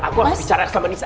aku harus bicara sama nisa